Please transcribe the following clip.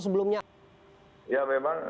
sebelumnya ya memang